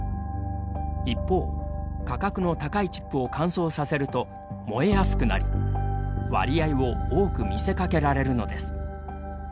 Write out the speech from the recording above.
一方、価格の高いチップを乾燥させると、燃えやすくなり割合を大きく見せかけられるのです。